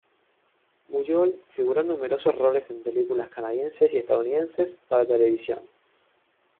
Bujold figuró en numerosos roles en películas canadienses y estadounidenses para televisión.